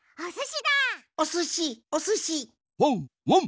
ワンワン！